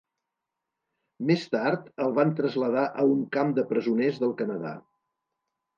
Més tard el van traslladar a un camp de presoners del Canadà.